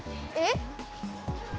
えっ？